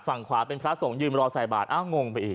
ฝั่งขวาเป็นพระสงฆ์ยืนรอใส่บาทอ้าวงงไปอีก